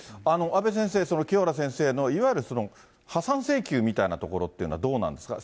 阿部先生、清原先生のいわゆる破産請求みたいなところっていうのは、どうなんですか。